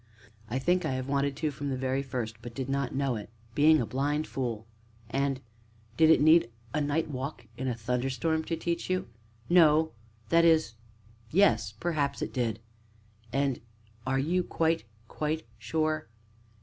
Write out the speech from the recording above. "I think I have wanted to from the very first, but did not know it being a blind fool!" "And did it need a night walk in a thunderstorm to teach you?" "No that is, yes perhaps it did." "And are you quite, quite sure?"